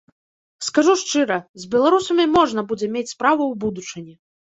Скажу шчыра, з беларусамі можна будзе мець справу ў будучыні.